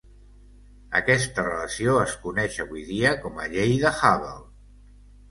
Aquesta relació es coneix avui dia com llei de Hubble.